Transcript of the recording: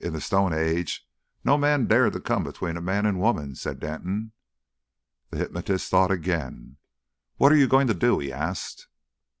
"In the Stone Age no man dared to come between man and woman," said Denton. The hypnotist thought again. "What are you going to do?" he asked.